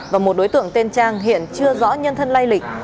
và một đối tượng tên trang hiện chưa rõ nhân thân lay lịch